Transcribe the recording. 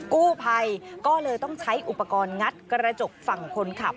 กู้ภัยก็เลยต้องใช้อุปกรณ์งัดกระจกฝั่งคนขับ